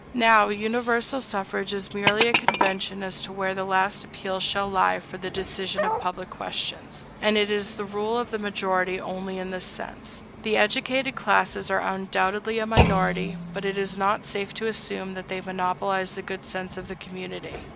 Now, universal suffrage is merely a convention as to where the last appeal shall lie for the decision of public questions; and it is the rule of the majority only in this sense. The educated classes are undoubtedly a minority; but it is not safe to assume that they monopolize the good sense of the community.